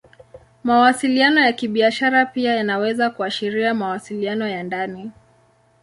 Mawasiliano ya Kibiashara pia yanaweza kuashiria mawasiliano ya ndani.